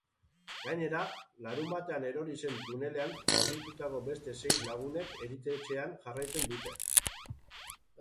Gainera, larunbatean erori zen tunelean zauritutako beste sei lagunek eritetxean jarraitzen dute.